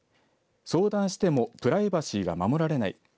相談してもプライバシーが守られない。